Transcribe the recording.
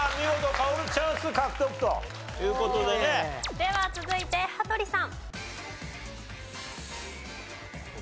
では続いて羽鳥さん。